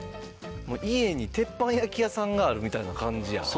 家に鉄板焼き屋さんがあるみたいな感じやん。